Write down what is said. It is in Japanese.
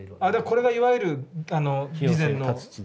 これがいわゆる備前の。